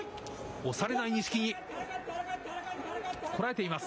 押されない錦木、こらえています。